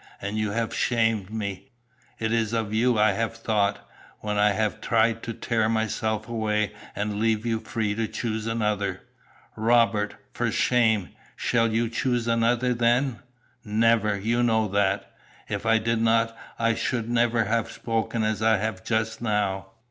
And you have shamed me. It is of you I have thought, when I have tried to tear myself away and leave you free to choose another." "Robert, for shame. Shall you 'choose another' then?" "Never! You know that!" "If I did not I should never have spoken as I have just now."